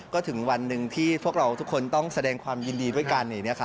ก็ถึงวันหนึ่งที่พวกเราทุกคนต้องแสดงความยินดีด้วยกัน